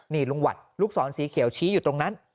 นี่ลุงหวัดลูกศรสีเขียวชี้อยู่ตรงนั้น